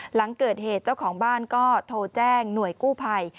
หลังเกิดเหตุเจ้าของบ้านก็โทรแจ้งหน่วยกู้ภัย